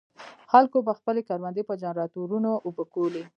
خلکو به خپلې کروندې په جنراټورونو اوبه کولې.